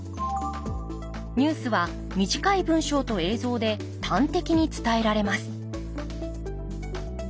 ニュースは短い文章と映像で端的に伝えられます